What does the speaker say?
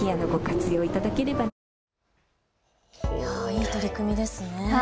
いい取り組みですね。